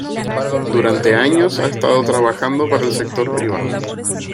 Durante años ha estado trabajando para el sector privado.